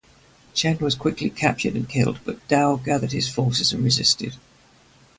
Chen was quickly captured and killed, but Dou gathered his forces and resisted.